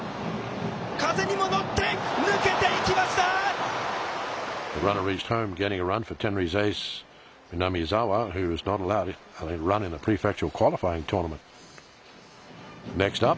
風にも乗って、抜けていきました。